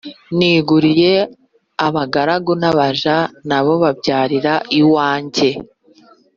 niguriye abagaragu nabaja nabo babyarira iwanjye